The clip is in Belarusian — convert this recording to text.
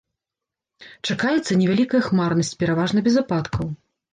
Чакаецца невялікая хмарнасць, пераважна без ападкаў.